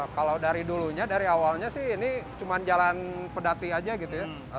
kalau dari dulunya dari awalnya sih ini cuma jalan pedati aja gitu ya